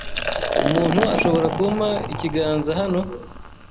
Umuntu ashobora kumpa ikiganza hano?